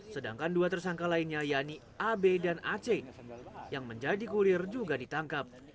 sedangkan dua tersangka lainnya yakni ab dan ac yang menjadi kurir juga ditangkap